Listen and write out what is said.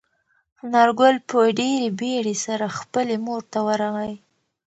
انارګل په ډېرې بیړې سره خپلې مور ته ورغی.